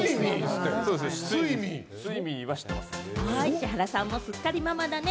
石原さんもすっかりママだね。